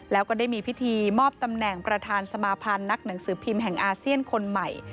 แล้วก็ได้มีพิธีมอบตำแหน่งประธานสมาพันธ์นักหนังสือพิมพ์แห่งอาเซียนคนใหม่